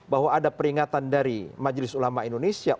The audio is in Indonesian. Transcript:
bahwa ada peringatan dari majelis ulama indonesia